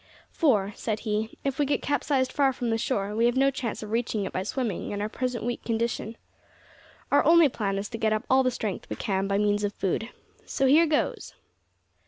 "For," said he, "if we get capsized far from the shore, we have no chance of reaching it by swimming in our present weak condition. Our only plan is to get up all the strength we can by means of food. So here goes!"